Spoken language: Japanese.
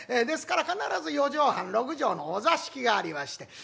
ですから必ず４畳半６畳のお座敷がありまして。